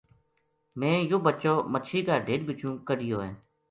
میں یوہ بچو مچھی کا ڈھیڈ بِچوں کڈھیو ہے‘‘